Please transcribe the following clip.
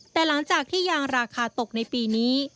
แต่หลังจากที่ยางราคาตกในปีนี้